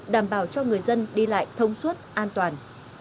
đảm bảo cho người dân đi lại thông suốt an toàn